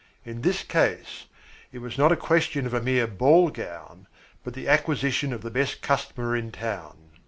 In this case, it was not a question of a mere ball gown, but of the acquisition of the best customer in town.